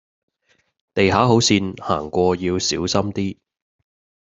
地下好跣，行過要小心啲